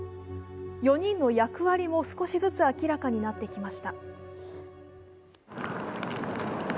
４人の役割も少しずつ明らかになってきました。